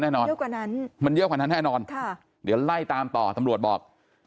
แน่นอนมันเยอะกว่านั้นแน่นอนเดี๋ยวไล่ตามต่อตำรวจบอก